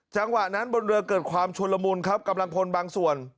จังหวะนั้นบนเรือเกิดความชุนละมุนครับกำลังพลบางส่วน